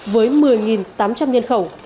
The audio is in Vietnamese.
với một mươi tám trăm linh nhân khẩu